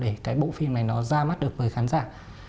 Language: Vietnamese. để cái bộ phim này nó ra mắt được với khán giả